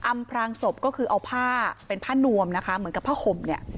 พรางศพก็คือเอาผ้าเป็นผ้านวมนะคะเหมือนกับผ้าห่มเนี่ย